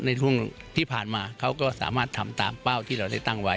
ในช่วงที่ผ่านมาเขาก็สามารถทำตามเป้าที่เราได้ตั้งไว้